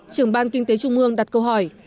trưởng bang kinh tế trung mương đặt câu hỏi